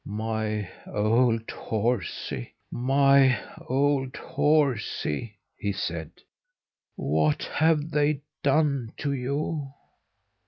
"My old horsy, my old horsy!" he said. "What have they done to you?